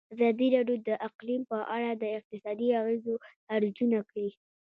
ازادي راډیو د اقلیم په اړه د اقتصادي اغېزو ارزونه کړې.